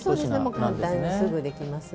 簡単にすぐできます。